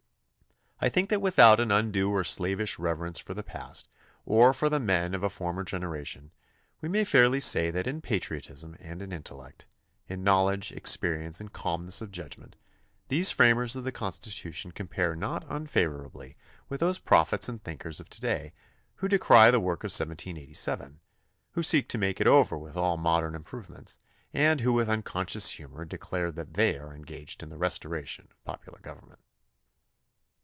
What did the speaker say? I think that without an undue or slavish reverence for the past or for the men of a former gen eration, we may fairly say that in patriotism and in intellect, in knowledge, experience, and calmness of judgment, these framers of the Constitution compare not unfavorably with those prophets and thinkers of to day who decry the work of 1787, who seek to make it over with all modern improvements, and who with unconscious humor declare that they are engaged in the restoration of popular government.